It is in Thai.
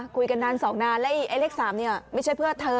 คุยกันนาน๒นานแล้วไอ้เลข๓เนี่ยไม่ใช่เพื่อเธอ